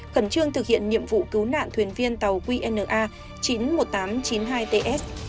khẩn trương thực hiện nhiệm vụ cứu nạn thuyền viên tàu qna chín mươi một nghìn tám trăm chín mươi hai ts